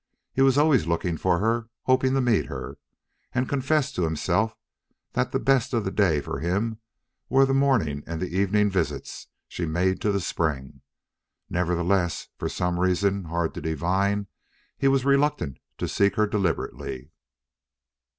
He was always looking for her, hoping to meet her, and confessed to himself that the best of the day for him were the morning and evening visits she made to the spring. Nevertheless, for some reason hard to divine, he was reluctant to seek her deliberately.